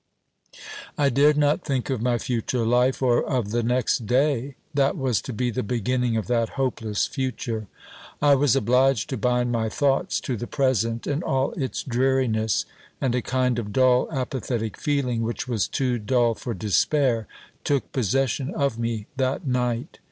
I dared not think of my future life; or of the next day, that was to be the beginning of that hopeless future. I was obliged to bind my thoughts to the present and all its dreariness; and a kind of dull apathetic feeling, which was too dull for despair, took possession of me that night.